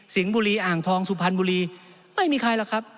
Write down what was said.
บุรีอ่างทองสุพรรณบุรีไม่มีใครหรอกครับ